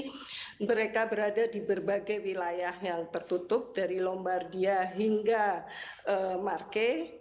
jadi mereka berada di berbagai wilayah yang tertutup dari lombardia hingga marke